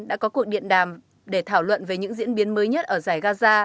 đã có cuộc điện đàm để thảo luận về những diễn biến mới nhất ở giải gaza